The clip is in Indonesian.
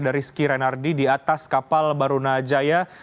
dari ski renardi di atas kapal barunajaya